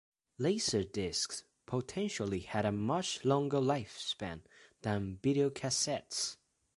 LaserDiscs potentially had a much longer lifespan than videocassettes.